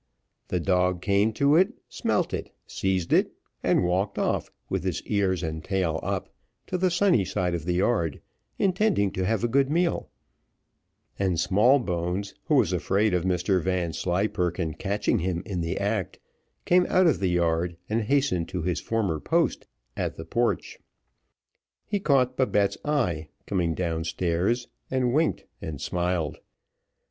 The dog came to it, smelt it, seized it, and walked off, with his ears and tail up, to the sunny side of the yard, intending to have a good meal; and Smallbones, who was afraid of Mr Vanslyperken catching him in the act, came out of the yard, and hastened to his former post at the porch. He caught Babette's eye, coming down stairs, and winked and smiled.